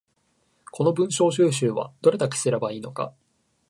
この文章収集はどれだけすれば良いのか